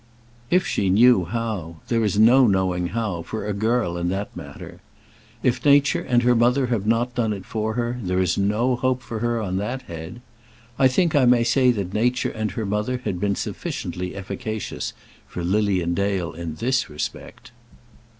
If she knew how! There is no knowing how, for a girl, in that matter. If nature and her mother have not done it for her, there is no hope for her on that head. I think I may say that nature and her mother had been sufficiently efficacious for Lilian Dale in this respect.